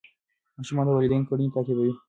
ماشومان د والدینو کړنې تعقیبوي.